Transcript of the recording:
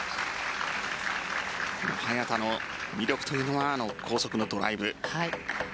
早田の魅力というのは高速のドライブ。